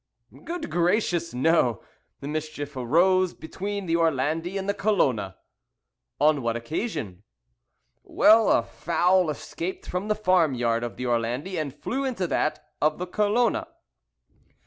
"Good gracious, no! The mischief arose between the Orlandi and the Colona." "On what occasion?" "Well, a fowl escaped from the farm yard of the Orlandi and flew into that of the Colona.